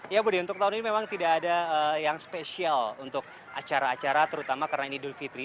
ya budi untuk tahun ini memang tidak ada yang spesial untuk acara acara terutama karena ini dulfitri